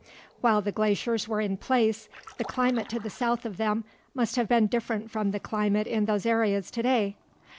While the glaciers were in place, the climate to the south of them must have been different from the climate in those areas today.